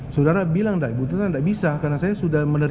sudara bilang enggak ibu tita enggak bisa karena saya sudah menerima gaji